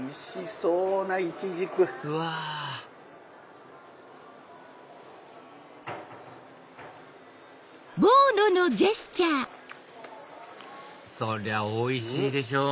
そりゃおいしいでしょう